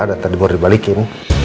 dan tadi baru dibalikin